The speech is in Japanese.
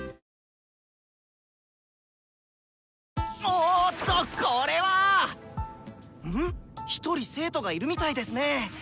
おおっとこれは⁉ん⁉１人生徒がいるみたいですね！